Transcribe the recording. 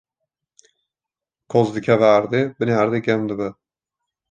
koz dikeve erdê, binê erdê germ dibe